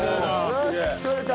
よし取れた。